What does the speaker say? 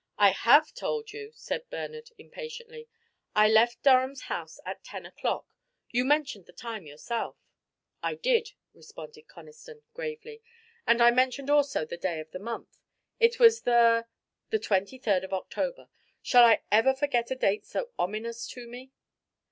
"I have told you," said Bernard, impatiently. "I left Durham's house at ten o'clock; you mentioned the time yourself." "I did," responded Conniston, gravely, "and I mentioned also the day of the month. It was the " "The twenty third of October. Shall I ever forget a date so ominous to me?